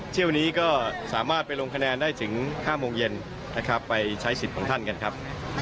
เที่ยวนี้ก็สามารถไปลงคะแนนได้ถึง๕โมงเย็นนะครับไปใช้สิทธิ์ของท่านกันครับ